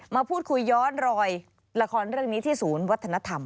มาพูดคุยย้อนรอยละครเรื่องนี้ที่ศูนย์วัฒนธรรม